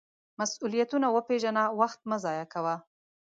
مسؤلیتونه وپیژنه، وخت مه ضایغه کوه.